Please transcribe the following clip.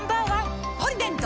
「ポリデント」